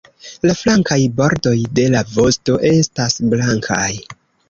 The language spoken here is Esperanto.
La flankaj bordoj de la vosto estas blankaj.